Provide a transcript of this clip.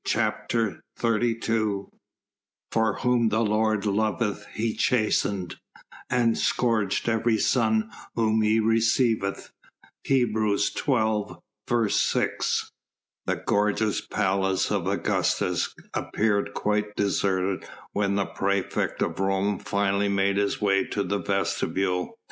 CHAPTER XXXII "For whom the Lord loveth He chasteneth, and scourgeth every son whom He receiveth." HEBREWS XII. 6. The gorgeous palace of Augustus appeared quite deserted when the praefect of Rome finally made his way to the vestibule.